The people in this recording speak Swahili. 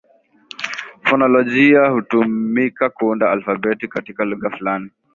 Fonolojia hutumika kuunda alfabeti katika lugha fulani.